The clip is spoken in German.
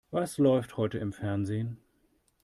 Was läuft heute im Fernsehen?